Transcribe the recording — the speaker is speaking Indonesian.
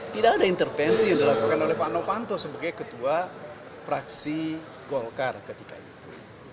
tidak ada intervensi yang dilakukan oleh pak novanto sebagai ketua praksi golkar ketika itu